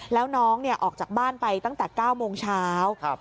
แล้วน้องออกจากบ้านไปตั้งแต่๙โมงเช้า